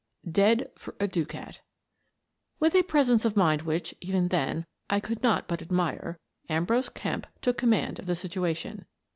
"dead for a ducat " With a presence of mind which, even then, I could not but admire, Ambrose Kemp took com mand of the situation.